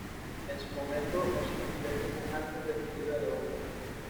En su momento, no se incluyó en ningún álbum de estudio de la banda.